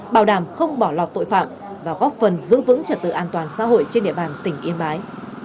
bảo đảm không bỏ lọt tội phạm và góp phần giữ vững trật tự an toàn xã hội trên địa bàn tỉnh yên bái